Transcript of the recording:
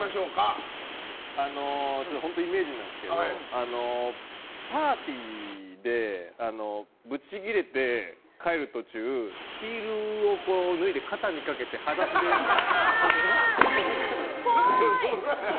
本当にイメージなんですけどパーティーでブチギレて帰る途中ヒールを脱いで肩にかけてっぽい！